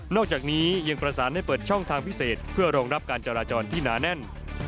จากนี้ยังประสานให้เปิดช่องทางพิเศษเพื่อรองรับการจราจรที่หนาแน่น